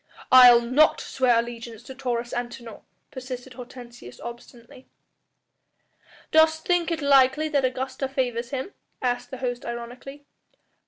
"I'll not swear allegiance to Taurus Antinor," persisted Hortensius obstinately. "Dost think it likely that the Augusta favours him?" asked the host ironically.